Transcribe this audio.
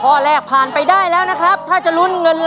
ข้อแรกผ่านไปได้แล้วนะครับถ้าจะลุ้นเงินล้าน